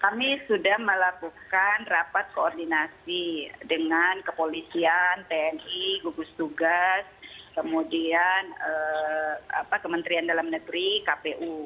kami sudah melakukan rapat koordinasi dengan kepolisian tni gugus tugas kemudian kementerian dalam negeri kpu